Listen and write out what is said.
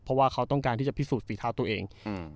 เพราะว่าเขาต้องการที่จะพิสูจนฝีเท้าตัวเองอืม